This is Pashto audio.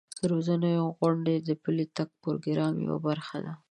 د روزنې غونډې د پلي تګ پروګرام یوه برخه ده.